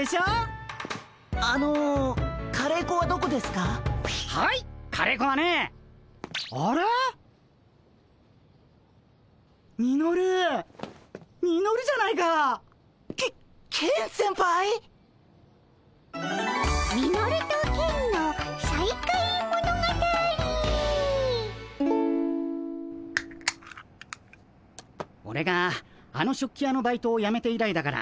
オレがあの食器屋のバイトをやめて以来だから１年ぶりくらいか？